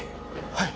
はい。